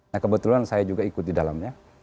nah kebetulan saya juga ikut di dalamnya